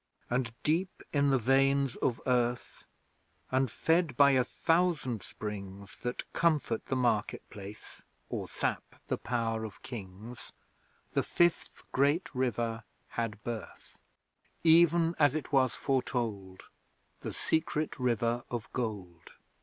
And, deep in the veins of Earth, And, fed by a thousand springs That comfort the market place, Or sap the power of Kings, The Fifth Great River had birth, Even as it was foretold The Secret River of Gold!